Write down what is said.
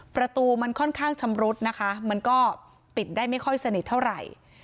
ประตูมันค่อนข้างชำรุดนะคะมันก็ปิดได้ไม่ค่อยสนิทเท่าไหร่